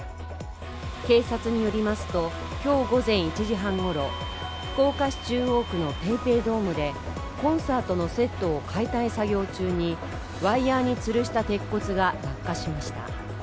警察によりますと、今日午前１時半ごろ福岡市中央区のＰａｙＰａｙドームでコンサートのセットを解体作業中にワイヤーにつるした鉄骨が落下しました。